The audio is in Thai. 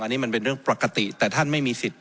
อันนี้มันเป็นเรื่องปกติแต่ท่านไม่มีสิทธิ